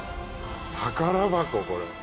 宝箱これ。